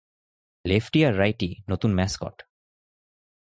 Lefty আর righty নতুন Mascot.